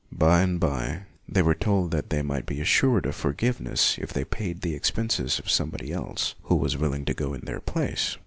By and by, they were told that they might be assured of forgiveness if they paid the expenses of somebody else who was willing to go in their place.